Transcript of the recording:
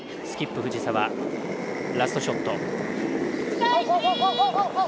スキップ、藤澤ラストショット。